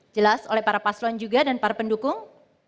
jelas oleh para paslon juga dan para pendukung